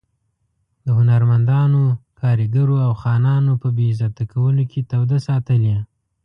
د هنرمندانو، کارګرو او خانانو په بې عزته کولو کې توده ساتلې.